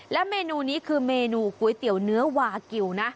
และเมนูนี้คือเมนูก๋วยเตี๋ยวเนื้อวากิวนะ